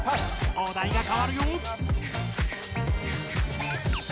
お題がかわるよ！